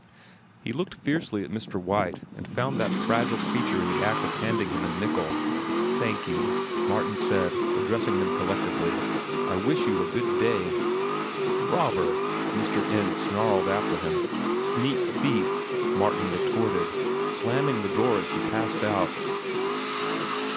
He looked fiercely at Mr. White, and found that fragile creature in the act of handing him a nickel. "Thank you," Martin said, addressing them collectively. "I wish you a good day." "Robber!" Mr. Ends snarled after him. "Sneak thief!" Martin retorted, slamming the door as he passed out.